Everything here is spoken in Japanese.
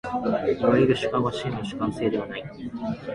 いわゆる主観は真の主観性ではない。